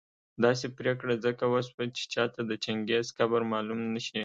داسي پرېکړه ځکه وسوه چي چاته د چنګېز قبر معلوم نه شي